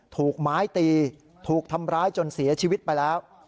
ถูกไม้ตีถูกทำร้ายจนเสียชีวิตไปแล้ว